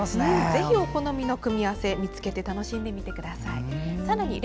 ぜひ、お好みの組み合わせを見つけて楽しんでみてください。